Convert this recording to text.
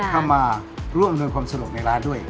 ถ้ามาร่วมอำนวยความสะดวกในร้านด้วย